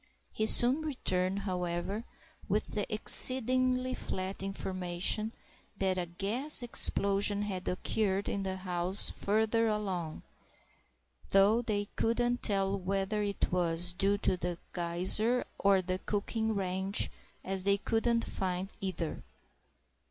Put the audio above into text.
He soon returned, however, with the exceedingly flat information that a gas explosion had occurred in a house further along, though they couldn't tell whether it was due to the geyser or the cooking range, as they couldn't find either.